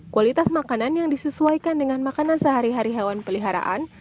kualitas makanan yang disesuaikan dengan makanan sehari hari hewan peliharaan